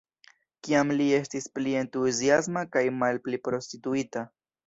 Kiam li estis pli entuziasma kaj malpli prostituita.